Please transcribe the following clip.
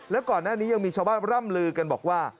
และก่อนหน้านี้ยังมีชาวบ้านร่ำลือกันบอกว่า